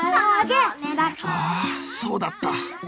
ああそうだった。